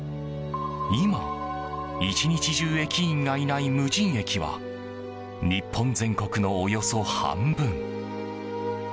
今、１日中駅員がいない無人駅は日本全国のおよそ半分。